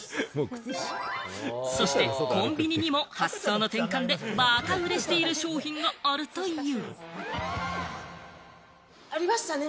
そしてコンビニにも発想の転換でバカ売れしている商品があるという。